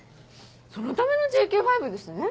そのためのＪＫ５ですね。